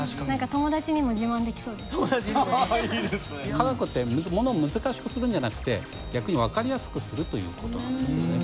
科学ってものを難しくするんじゃなくて逆に分かりやすくするという事なんですよね。